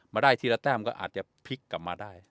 มาได้ทีละแต้มก็อาจจะพลิกกลับมาได้